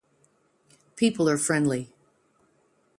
People are friendly.